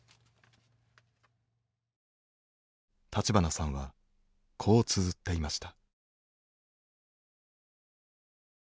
立花さんはこうつづっていました。